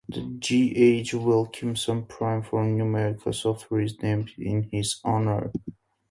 The J. H. Wilkinson Prize for Numerical Software is named in his honour.